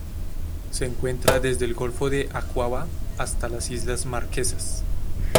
Se encuentra desde el Golfo de Aqaba hasta las Islas Marquesas.